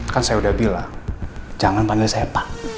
kan saya udah bilang jangan panggil saya pak